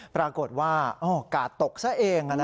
ปรากฏว่ากาดตกซะเอง